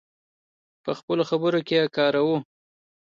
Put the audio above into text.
په خپلو خبرو کې یې وکاروو.